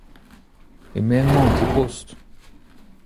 E-men emañ an ti-post ?